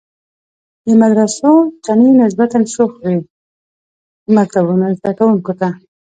د مدرسو چڼې نسبتاً شوخ وي، د مکتبونو زده کوونکو ته.